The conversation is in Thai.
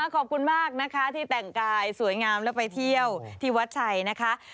ขอบคุณมากนะคะที่แต่งกายสวยงามแล้วไปเที่ยวที่วัดชัยนะคะ